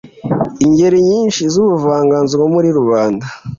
ingeri nyinshi z’ubuvanganzo bwo muri rubanda